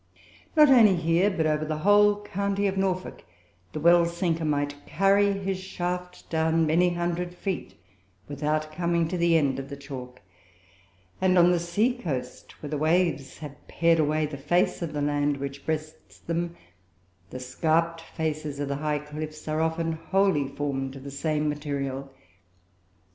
Not only here, but over the whole county of Norfolk, the well sinker might carry his shaft down many hundred feet without coming to the end of the chalk; and, on the sea coast, where the waves have pared away the face of the land which breasts them, the scarped faces of the high cliffs are often wholly formed of the same material.